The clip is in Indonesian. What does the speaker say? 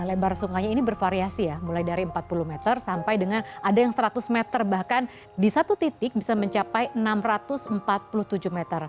lembar sungai ini bervariasi mulai dari empat puluh m sampai dengan ada yang seratus m bahkan di satu titik bisa mencapai enam ratus empat puluh tujuh m